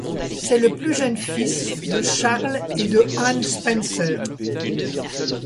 C'est le plus jeune fils de Charles et de Anne Spencer.